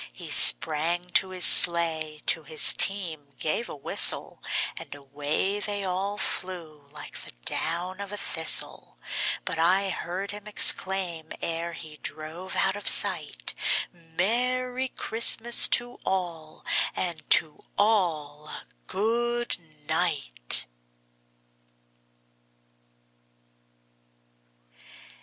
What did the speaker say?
He sprang to his sleigh, to his team gave a whistle, And away they all flew like the down of a thistle; But I heard him exclaim, ere he drove out of sight, "Merry Christmas to all, and to all a good night!"